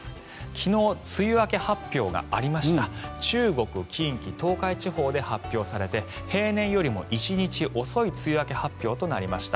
昨日、梅雨明け発表がありました中国・近畿・東海地方で発表されて平年よりも１日遅い梅雨明け発表となりました。